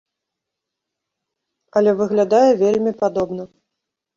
Але выглядае вельмі падобна.